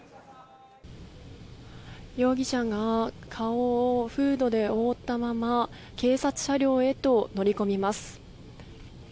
容疑者が顔をフードで覆ったまま警察車両へと乗り込みます。